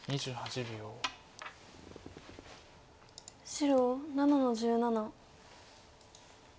白７の十七。